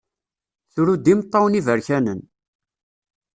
Tru-d imeṭṭawen iberkanen.